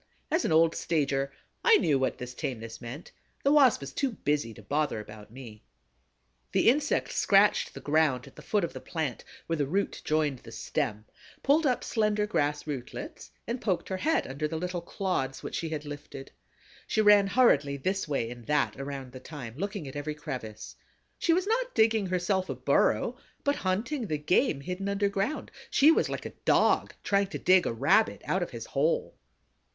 As an old stager, I knew what this tameness meant: the Wasp was too busy to bother about me. The insect scratched the ground at the foot of the plant, where the root joined the stem, pulled up slender grass rootlets and poked her head under the little clods which she had lifted. She ran hurriedly this way and that around the thyme, looking at every crevice. She was not digging herself a burrow but hunting the game hidden underground; she was like a Dog trying to dig a Rabbit out of his hole.